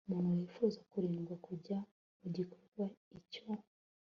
umuntu wifuza kurindwa kujya mu gikorwa icyo